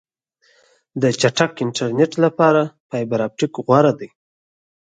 د چټک انټرنیټ لپاره فایبر آپټیک غوره دی.